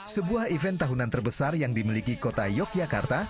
sebuah event tahunan terbesar yang dimiliki kota yogyakarta